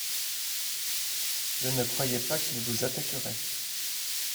Je ne croyais pas qu'ils vous attaqueraient.